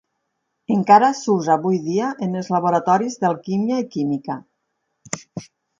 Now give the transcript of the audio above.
Encara s'usa avui dia en els laboratoris d'alquímia i química.